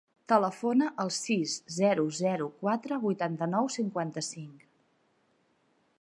Telefona al sis, zero, zero, quatre, vuitanta-nou, cinquanta-cinc.